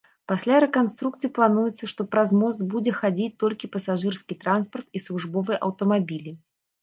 Пасля рэканструкцыі плануецца, што праз мост будзе хадзіць толькі пасажырскі транспарт і службовыя аўтамабілі.